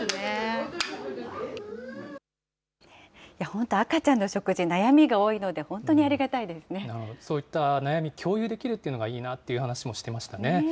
本当、赤ちゃんの食事、悩みが多いので、そういった悩み、共有できるっていうのがいいなっていう話もしてましたね。